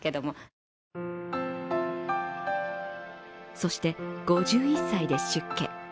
そして、５１歳で出家。